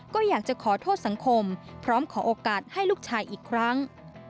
ก็อยากจะขอโทษสังคมพร้อมขอโอกาสให้ลูกชายอีกครั้ง